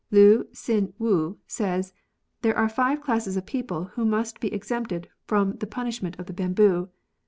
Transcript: Lii Hsin wu says. There are five classes of people who must be exempted from the punishment of the bamboo.